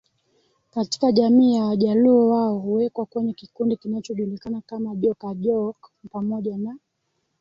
Katika jamii ya Wajaluo wao huwekwa kwenye kikundi kinachojulikana kama Joka Jok pamoja na